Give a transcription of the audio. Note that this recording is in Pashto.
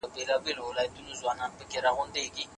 نفاق د کمزورۍ نښه ده